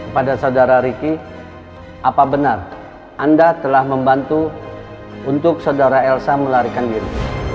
pada saudara ricky apa benar anda telah membantu untuk saudara elsa melarikan diri